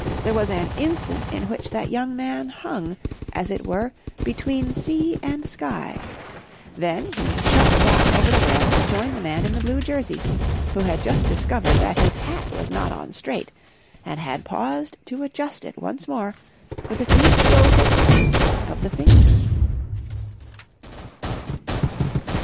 There was an instant in which that young man hung, as it were, between sea and sky: then he shot down over the rail to join the man in the blue jersey, who had just discovered that his hat was not on straight and had paused to adjust it once more with a few skilful touches of the finger.